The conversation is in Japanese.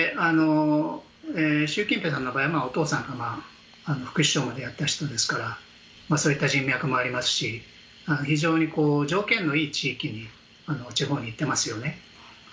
習近平さんの場合もお父さんが副市長までやった人ですからそういった人脈もありますし非常に条件のいい地域や地方に行ってますよね。